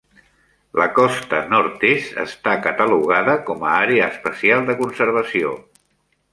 La costa nord-est està catalogada com a àrea especial de conservació.